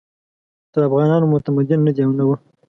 تر افغانانو متمدن نه دي او نه وو.